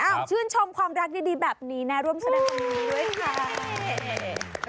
ชื่นชมความรักดีแบบนี้นะร่วมแสดงความยินดีด้วยค่ะ